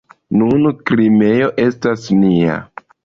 Nun Krimeo estas nia.